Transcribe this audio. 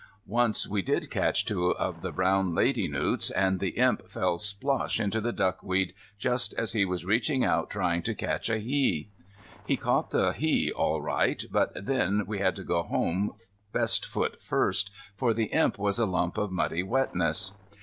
Once we did catch two of the brown lady newts, and the Imp fell splosh into the duckweed just as he was reaching out trying to catch a he. He caught the he all right, but then we had to go home best foot first, for the Imp was a lump of muddy wetness.